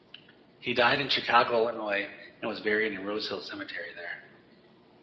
He died in Chicago, Illinois, and was buried in Rosehill Cemetery there.